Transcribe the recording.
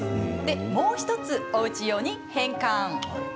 もう１つ、おうち用に変換。